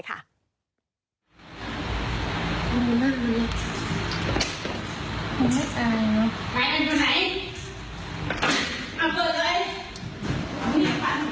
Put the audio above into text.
เก่งนักหรอย